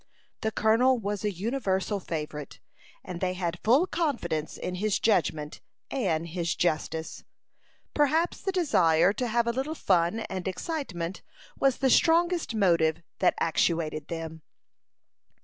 The colonel was a universal favorite, and they had full confidence in his judgment and his justice. Perhaps the desire to have a little fun and excitement was the strongest motive that actuated them.